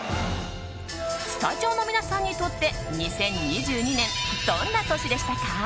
スタジオの皆さんにとって２０２２年、どんな年でしたか？